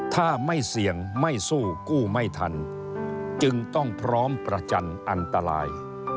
ถ้าไม่เสี่ยงไม่สู้กู้ไม่ทันจึงต้องพร้อมประจันทร์อันตราย